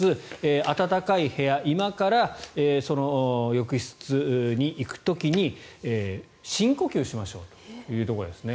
暖かい部屋、居間から浴室に行く時に深呼吸をしましょうということですね。